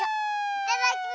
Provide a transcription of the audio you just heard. いただきま。